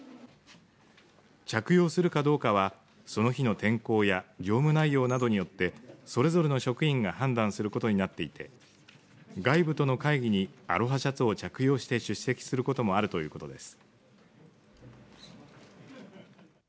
着用するかどうかはその日の天候や業務内容などによってそれぞれの職員が判断することになっていて外部との会議にアロハシャツを着用して出席することもあるということです。